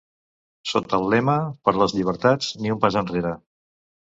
Sota el lema Per les llibertats, ni un pas enrere!